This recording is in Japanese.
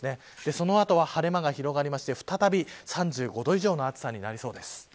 その後は晴れ間が広がりまして再び３５度以上の暑さになりそうです。